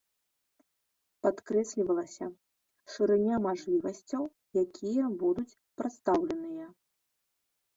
Падкрэслівалася шырыня мажлівасцяў, якія будуць прадстаўленыя.